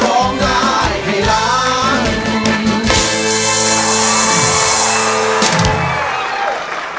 ตอนนี้ไม่น่าเชื่อสาวน้อยนะครับ